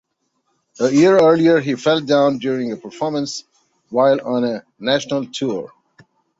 A year earlier, he fell down during a performance while on a national tour.